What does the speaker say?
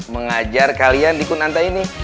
mengajar kalian di kun anta ini